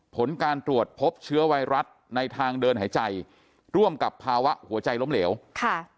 ผลการตรวจพบเชื้อไวรัสในทางเดินหายใจร่วมกับภาวะหัวใจล้มเหลวค่ะ